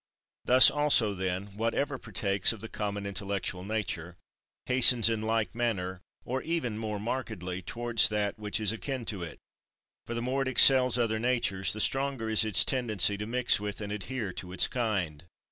Thus also, then, whatever partakes of the common intellectual nature hastens in like manner, or even more markedly, towards that which is akin to it. For the more it excels other natures, the stronger is its tendency to mix with and adhere to its kind.